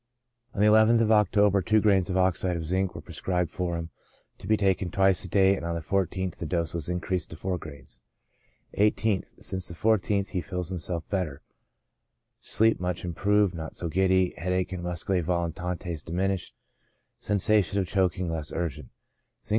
TREATMENT. I I3 On the nth of October, two grains of oxide of zinc were prescribed for him, to be taken twice a day, and on the 14th the dose was increased to four grains. 1 8th. — Since the 14th, feels himself better, sleep much improved, not so giddy ; headache and muscse volitantes diminished ; sensation of choking less urgent. Zinc.